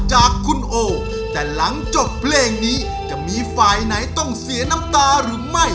ของคุณโอนะครับเพลงของคุณหญิงธีติการ